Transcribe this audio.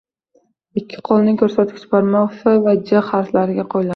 ikki qo’lning ko’rsatkich barmoqlari F va J harflariga qo’yiladi